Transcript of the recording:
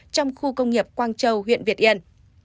trong khu công nghiệp quang châu huyện việt yên